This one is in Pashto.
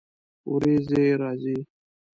ورېځې راځي